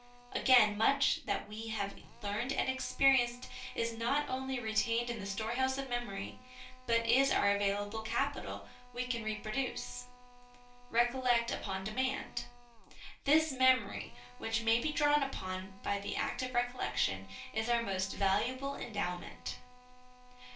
Again, much that we have learned and experienced is not only retained SOME HABITS OF MIND SOME MORAL HABITS 155 in the storehouse of memory, but is our available capital, we can reproduce, recollect upon demand. This memory which may be drawn upon by the act of recollection is our most valuable endowment.